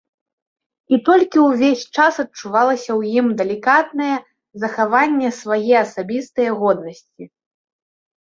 І толькі ўвесь час адчувалася ў ім далікатнае захаванне свае асабістае годнасці.